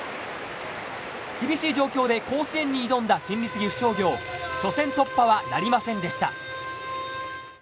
厳しい状況で甲子園に挑んだ県立岐阜商業初戦突破はなりませんでした。